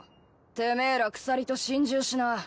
てめえら鎖と心中しな。